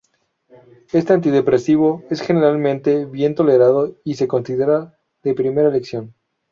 Este antidepresivo es generalmente bien tolerado, y se considera de primera elección.